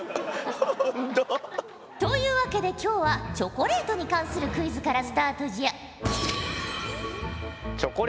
というわけで今日はチョコレートに関するクイズからスタートじゃ。